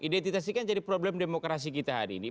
identitasikan jadi problem demokrasi kita hari ini